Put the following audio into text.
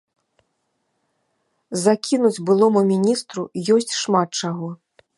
Закінуць былому міністру ёсць шмат чаго.